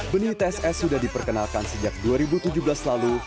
benih tss sudah diperkenalkan sejak dua ribu tujuh belas lalu